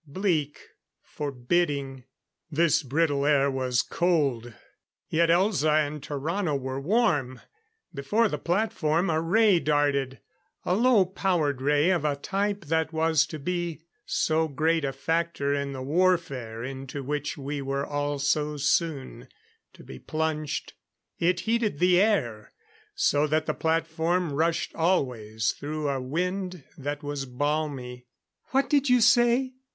Bleak; forbidding. This brittle air was cold; yet Elza and Tarrano were warm. Before the platform, a ray darted a low powered ray of a type that was to be so great a factor in the warfare into which we were all so soon to be plunged. It heated the air, so that the platform rushed always through a wind that was balmy. "What did you say?"